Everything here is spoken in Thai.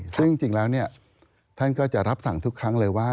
ซึ่งจริงแล้วท่านก็จะรับสั่งทุกครั้งเลยว่า